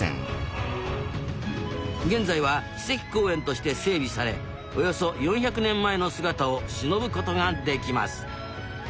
現在は史跡公園として整備されおよそ４００年前の姿をしのぶ事ができます。